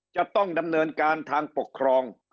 จะต้องดำเนินการทางปกครอง